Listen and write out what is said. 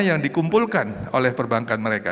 yang dikumpulkan oleh perbankan mereka